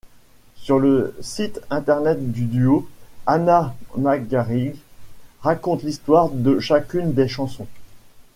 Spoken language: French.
Sur le site internet du duo, Anna McGarrigle raconte l'histoire de chacune des chansons.